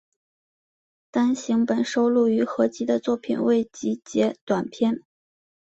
单行本收录于合集的作品未集结短篇